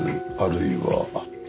あるいは。